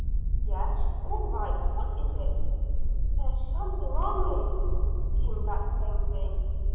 "Yes? All right! What is it?" "There's something on me," came back faintly.